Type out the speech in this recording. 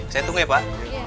saya tunggu ya pak